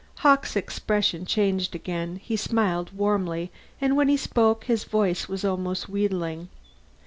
'" Hawkes' expression changed again; he smiled warmly, and when he spoke his voice was almost wheedling.